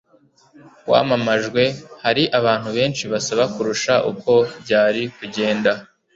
wamamajwe, hari abantu benshi basaba kurusha uko byari kugenda